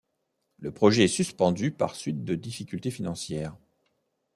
Le projet est suspendu par suite de difficultés financières.